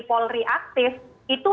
polri aktif itu